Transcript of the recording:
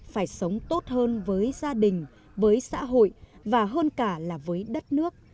phải sống tốt hơn với gia đình với xã hội và hơn cả là với đất nước